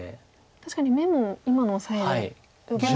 確かに眼も今のオサエで。